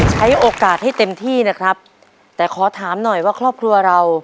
ใช้โอกาสให้เต็มที่นะครับแต่ขอถามหน่อยว่าครอบครัวเรา